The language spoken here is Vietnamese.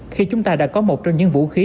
khi chúng ta đã có một trong những vũ khí